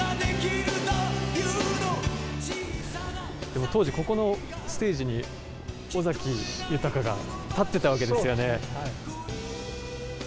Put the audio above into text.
でも当時、ここのステージに尾崎豊が立ってたわけですよね。